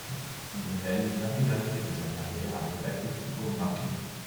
Il réalise l'intégralité de sa carrière avec l'Atlético Marte.